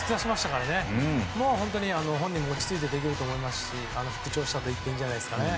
これで本人も落ち着いてプレーできると思いますし復調したといっていいんじゃないでしょうかね。